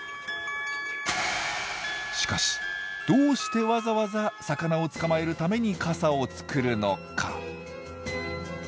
しかしどうしてわざわざ魚を捕まえるために傘を作るのか？